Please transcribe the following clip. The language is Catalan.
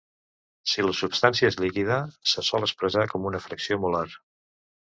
Si la substància és líquida, se sol expressar com una fracció molar.